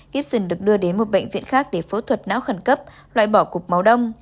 kiếpsin được đưa đến một bệnh viện khác để phẫu thuật não khẩn cấp loại bỏ cục máu đông